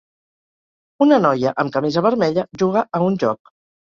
una noia amb camisa vermella juga a un joc